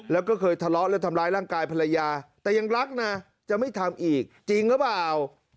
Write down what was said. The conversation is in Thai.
แล้วก็เคยทะเลาะและทำร้ายร่างกายภรรยาแต่ยังรักนะจะไม่ทำอีกจริงหรือเปล่า